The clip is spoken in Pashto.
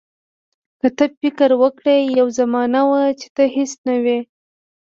که ته فکر وکړې یوه زمانه وه چې ته هیڅ نه وې.